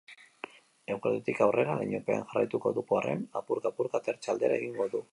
Eguerditik aurrera, lainopean jarraituko dugun arren, apurka-apurka atertze aldera egingo du.